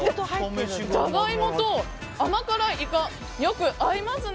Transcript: ジャガイモと甘辛いイカがよく合いますね。